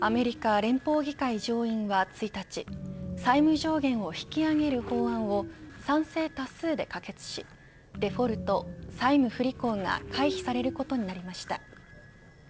アメリカ連邦議会上院は１日債務上限を引き上げる法案を賛成多数で可決しデフォルト、債務不履行が回避されることになりました。